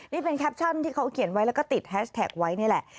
นี่เป็นแคปชั่นที่เขาเขียนไว้แล้วก็ติดแฮชแท็กไว้นี่แหละ